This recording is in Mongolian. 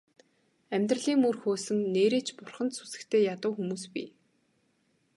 Амьдралын мөр хөөсөн нээрээ ч бурханд сүсэгтэй ядуу хүмүүс бий.